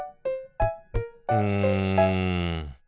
うん。